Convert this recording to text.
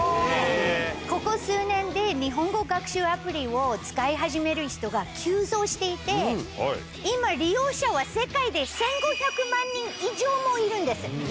ここ数年で日本語学習アプリを使い始める人が急増していて、今、利用者は世界で１５００万人以上もいるんです。